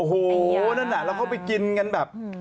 โอ้โหนั่นน่ะแล้วเขาไปกินกันแบบ